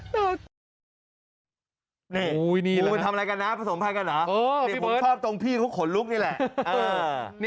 งูมันทำอะไรกันนะผสมพันธ์กันหรอ